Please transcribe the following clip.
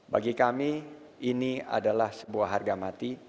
bagi kami ini adalah sebuah harga mati